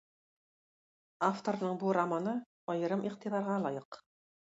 Авторның бу романы аерым игътибарга лаек.